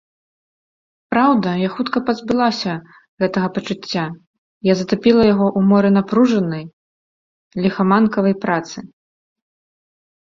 Праўда, я хутка пазбылася гэтага пачуцця, я затапіла яго ў моры напружанай, ліхаманкавай працы.